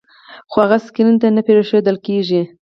خو هغوی سکرین ته نه پرېښودل کېږي.